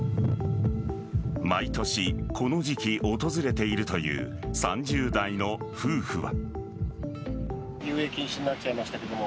毎年、この時期訪れているという３０代の夫婦は。